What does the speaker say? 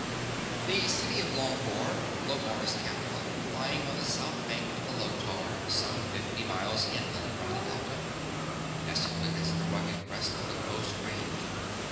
The city of Lompoar, Lomarr's capital, lying on the south bank of the Lotar some fifty miles inland from the delta, nestled against the rugged breast of the Coast Range.